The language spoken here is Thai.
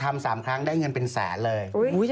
ทำสามครั้งได้เงินเป็นแสนเลย